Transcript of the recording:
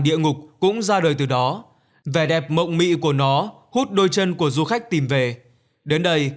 địa ngục cũng ra đời từ đó vẻ đẹp mộng mị của nó hút đôi chân của du khách tìm về đến đây